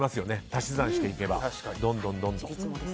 足し算していけばどんどん。